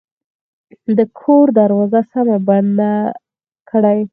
د کور دروازه سمه بنده کړئ